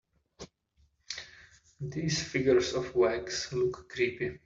These figures of wax look creepy.